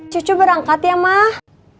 cucu berangkat ya mak